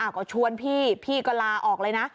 ก็ชวนพี่พี่ก็ลาออกเลยนะ